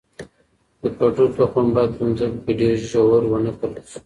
د کدو تخم باید په مځکه کې ډیر ژور ونه کرل شي.